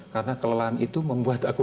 karena kelelahan itu membuat aku